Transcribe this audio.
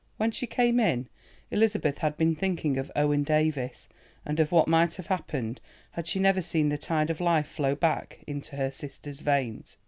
When she came in, Elizabeth had been thinking of Owen Davies, and of what might have happened had she never seen the tide of life flow back into her sister's veins.